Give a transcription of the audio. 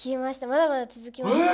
まだまだつづきますよ。